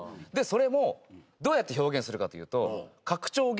それもどうやって表現するかというと拡張